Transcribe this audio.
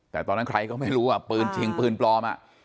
แต่ตอนนั้นใครก็ไม่รู้อ่ะปืนจริงปืนปลอม